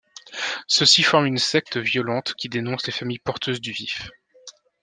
Ceux-ci forment une secte violente qui dénoncent les familles porteuses du Vif.